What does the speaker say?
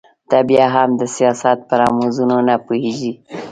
ته بيا هم د سياست په رموزو نه پوهېږې.